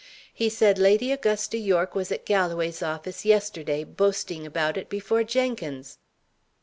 He said Lady Augusta Yorke was at Galloway's office yesterday, boasting about it before Jenkins."